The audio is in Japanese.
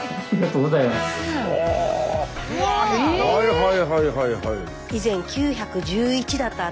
はいはいはいはい。